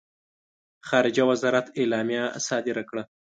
خارجه وزارت اعلامیه صادره کړه.